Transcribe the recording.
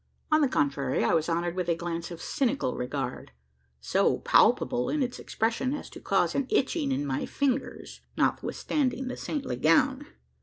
On the contrary, I was honoured with a glance of cynical regard so palpable in its expression, as to cause an itching in my fingers, notwithstanding the saintly gown.